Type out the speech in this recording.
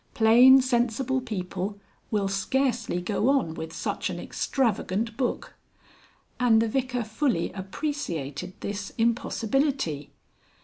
Plain sensible people will scarcely go on with such an extravagant book. And the Vicar fully appreciated this impossibility.